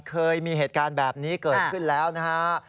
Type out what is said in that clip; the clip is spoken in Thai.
เคยมีเหตุการณ์แบบนี้เกิดขึ้นแล้วนะฮะ